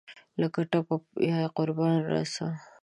لکه ټپه پۀ یاقربان راسه !